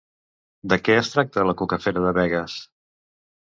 De què es tracta la Cucafera de Begues?